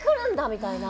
みたいな。